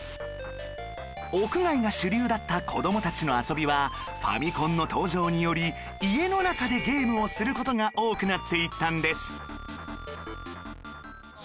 屋外が主流だった子どもたちの遊びはファミコンの登場により家の中でゲームをする事が多くなっていったんです